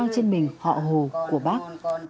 chuyên mình họ hồ của bác